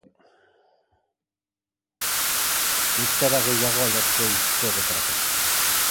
Bi hektarea gehiago aldatuko dituzte, horretarako.